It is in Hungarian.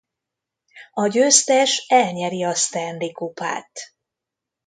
A győztes elnyeri a Stanley-kupát.